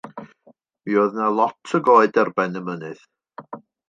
Mi oedd 'na lot o goed ar ben y mynydd.